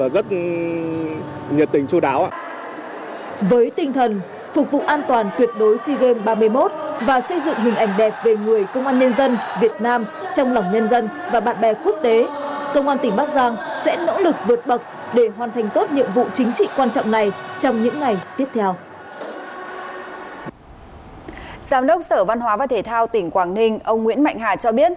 giám đốc sở văn hóa và thể thao tỉnh quảng ninh ông nguyễn mạnh hà cho biết